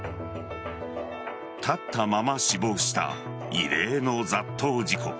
立ったまま死亡した異例の雑踏事故。